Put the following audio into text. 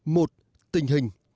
một tình hình